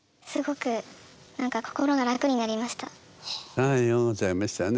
はいようございましたね。